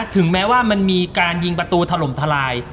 ถึงแม้ว่ามีการยิงประตูทะลมทะลาย